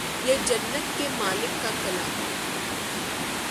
یہ جنت کے مالک کا کلام ہے